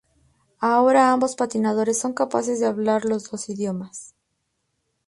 Ahora ambos patinadores son capaces de hablar los dos idiomas.